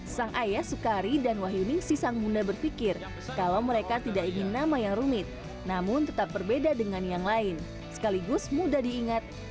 sang ayah sukari dan wahyuning sisang munda berpikir kalau mereka tidak ingin nama yang rumit namun tetap berbeda dengan yang lain sekaligus mudah diingat